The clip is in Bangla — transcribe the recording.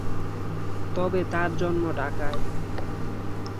তবে তার জন্ম ঢাকায়।